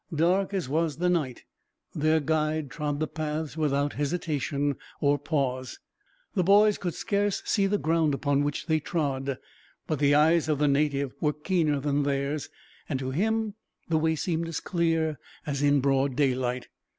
Dark as was the night, their guide trod the paths without hesitation or pause. The boys could scarce see the ground upon which they trod, but the eyes of the native were keener than theirs, and to him the way seemed as clear as in broad daylight.